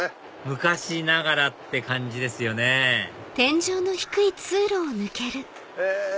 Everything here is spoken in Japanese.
昔ながらって感じですよねえ